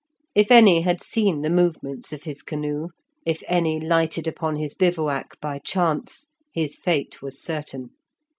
If any had seen the movements of his canoe, if any lighted upon his bivouac by chance, his fate was certain.